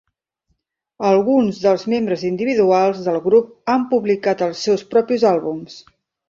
Alguns dels membres individuals del grup han publicat els seus propis àlbums.